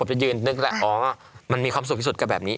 ไปยืนนึกแล้วอ๋อมันมีความสุขที่สุดกับแบบนี้